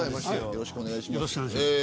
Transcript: よろしくお願いします。